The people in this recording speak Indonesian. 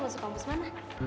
belum tau gin